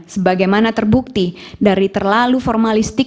sebagaimana terbukti dari terlalu formalistik